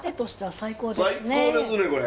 最高ですねこれ。